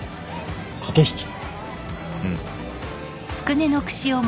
うん。